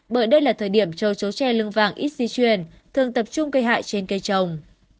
bởi đây là thời điểm châu chấu che lưng vàng ít di chuyển thường tập trung gây hại trên cây trồng